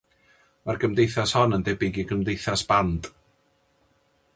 Mae'r gymdeithas hon yn debyg i gymdeithas band.